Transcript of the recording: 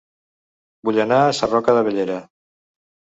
Vull anar a Sarroca de Bellera